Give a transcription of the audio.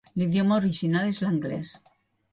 L'idioma original és l'anglès.